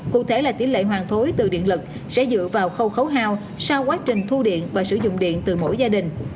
cụ thể là tỷ lệ hoàng thối từ điện lực sẽ dựa vào khâu khấu hao sau quá trình thu điện và sử dụng điện từ mỗi gia đình